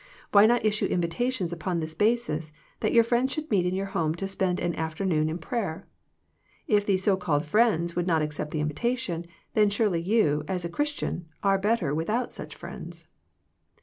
Why not issue invitations upon this basis, that your friends should meet in your home to spend an afternoon in prayer. If the so called friends would not accept the invitation, then surely you, as a Christian, are better without such friends.